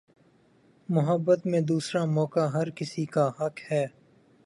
محبت میں دوسرا موقع ہر کسی کا حق ہے